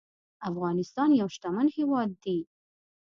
افغانستان يو شتمن هيواد دي